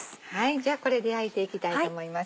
じゃあこれで焼いていきたいと思います。